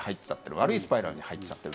悪いスパイラルに入っちゃってる。